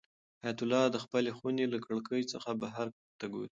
حیات الله د خپلې خونې له کړکۍ څخه بهر ته ګوري.